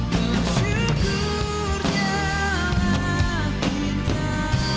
bersyukur jalan kita